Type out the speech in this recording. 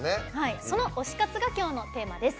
その推し活が今日のテーマにです。